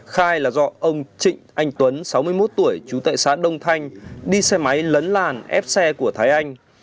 khai là do ông trịnh anh tuấn sáu mươi một tuổi chú tại xã đông thanh đi xe máy lấn làn ép xe của thái anh